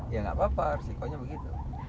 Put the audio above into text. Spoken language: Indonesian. ya tidak apa apa harusnya begitu